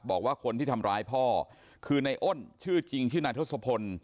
บอกว่าคนที่ทำร้ายพ่อคือในอ้นชื่อจริงชื่อนายทศพล